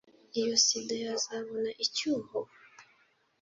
iyo sida yazabona icyuho?